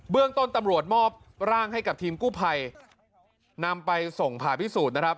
เรื่องต้นตำรวจมอบร่างให้กับทีมกู้ภัยนำไปส่งผ่าพิสูจน์นะครับ